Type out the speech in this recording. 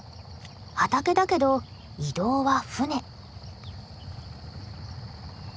畑だけど移動は舟。